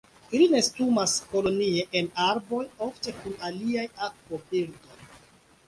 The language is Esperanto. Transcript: Ili nestumas kolonie en arboj, ofte kun aliaj akvobirdoj.